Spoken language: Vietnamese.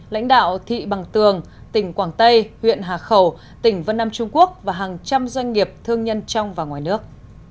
lãnh đạo thị bằng tường tỉnh quảng tây huyện hà khẩu tỉnh vân nam trung quốc và hàng trăm doanh nghiệp thương nhân trong và ngoài nước